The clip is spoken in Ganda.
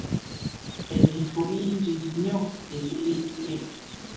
Ebintu bingi nnyo ebirinnye.